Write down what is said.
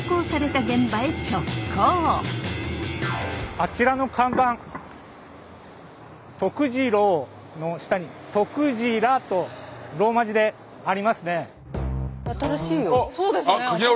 あちらの看板「徳次郎」の下に「Ｔｏｋｕｊｉｒａ」とローマ字でありますね。